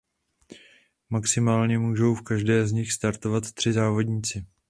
Maximálně můžou v každé z nich startovat tři závodníci.